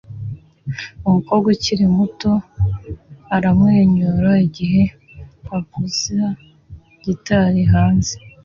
Umukobwa ukiri muto aramwenyura igihe avuza gitari hanze